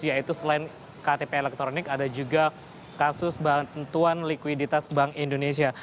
yaitu selain ktp elektronik ada juga kasus bantuan likuiditas bank indonesia